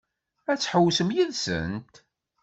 Ad tḥewwsem yid-sent?